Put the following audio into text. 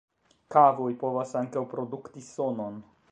Kavoj povas ankaŭ produkti sonon.